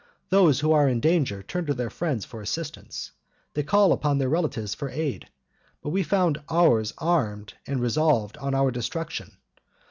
Those who are in danger turn to their friends for assistance; they call upon their relatives for aid; but we found ours armed, and resolved on our destruction.